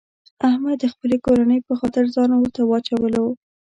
احمد د خپلې کورنۍ په خاطر ځان اورته واچولو.